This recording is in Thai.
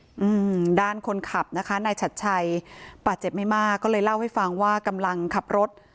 อืมด้านคนขับนะคะนายชัดชัยบาดเจ็บไม่มากก็เลยเล่าให้ฟังว่ากำลังขับรถ